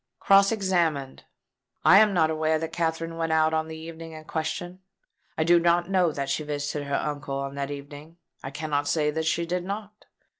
Cross examined: "I am not aware that Katherine went out on the evening in question. I do not know that she visited her uncle on that evening. I cannot say that she did not.